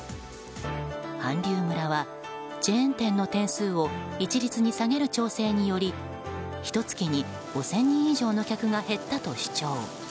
韓流村は、チェーン店の点数を一律に下げる調整によりひと月に５０００人以上の客が減ったと主張。